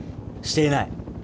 してない。